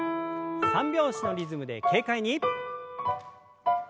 三拍子のリズムで軽快に。